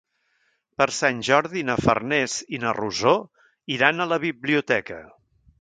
Per Sant Jordi na Farners i na Rosó iran a la biblioteca.